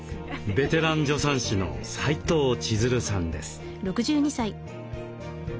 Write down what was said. ベテラン助産師の斉藤千鶴さんです。